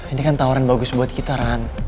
ini kan tawaran bagus buat kita kan